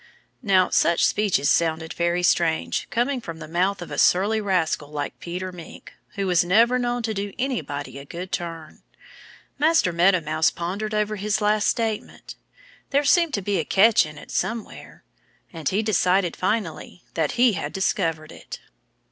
Now, such speeches sounded very strange, coming from the mouth of a surly rascal like Peter Mink, who was never known to do anybody a good turn. Master Meadow Mouse pondered over this last statement. There seemed to be a catch in it somewhere. And he decided, finally, that he had discovered it.